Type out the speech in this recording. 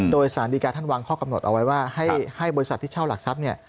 โดยสารดีการท่านวางข้อกำหนดเอาไว้ว่าให้บริษัทที่เช่าหลักทรัพย์เนี่ย